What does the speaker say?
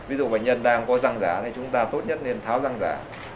ví dụ bệnh nhân đang có răng giả thì chúng ta tốt nhất nên tháo răng giả